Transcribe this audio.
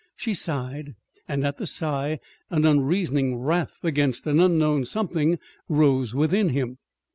She sighed and at the sigh an unreasoning wrath against an unknown something rose within him.